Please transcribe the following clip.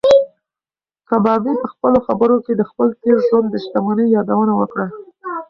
کبابي په خپلو خبرو کې د خپل تېر ژوند د شتمنۍ یادونه وکړه.